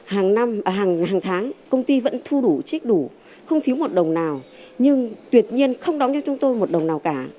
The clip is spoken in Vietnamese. hàng năm hàng tháng công ty vẫn thu đủ trích đủ không thiếu một đồng nào nhưng tuyệt nhiên không đóng cho chúng tôi một đồng nào cả